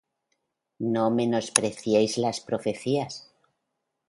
No menospreciéis las profecías.